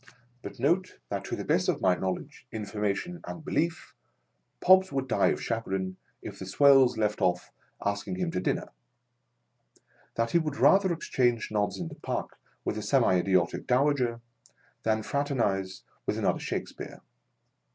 But, note, that to the best of my knowledge, information, and belief, Pobbs would die of chagrin, if the swells left off asking him to Charlei Dickens.] MOTHER AND STEP MOTHER. 387 dinner. That he would rather exchange nod in the Park with a semi idiotic Dowager, than fraternise with another Shakespeare.